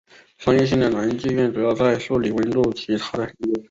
商业性的男妓院主要在素里翁路及它的横街。